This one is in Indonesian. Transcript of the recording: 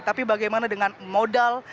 tapi bagaimana dengan modal